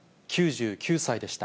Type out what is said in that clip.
９９歳でした。